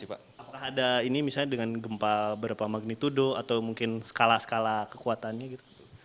apakah ada ini misalnya dengan gempa berapa magnitudo atau mungkin skala skala kekuatannya gitu